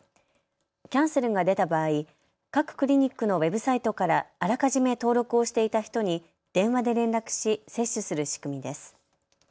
キャンセルが出た場合、各クリニックのウェブサイトからあらかじめ登録をしていた人に電話で連絡し接種する仕組みです。